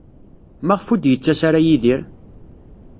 Maɣef ur d-yettas ara Yidir?